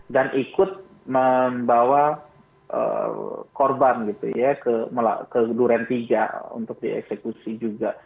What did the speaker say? dan ikut membawa korban ke duren tiga untuk dieksekusi juga